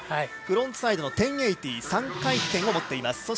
フロントサイドの１０８０３回転を持っています。